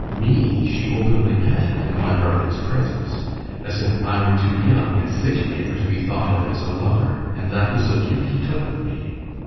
Me she openly petted in my brother's presence, as if I were too young and sickly ever to be thought of as a lover; and that was the view he took of me.